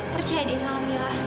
percaya deh sama mila